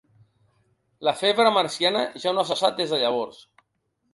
La febre marciana ja no ha cessat des de llavors.